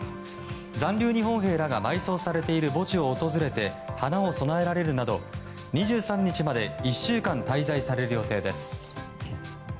残留日本兵らが埋葬されている墓地を訪れて花を供えられるなど２３日まで１週間滞在される予定です。